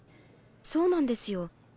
そうなんですよ。